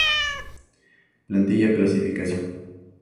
Plantilla Clasificación Europea.